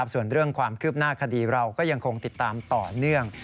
ส่วนเรื่องความคืบหน้าคดีเราก็ยังคงติดตามต่อเนื่อง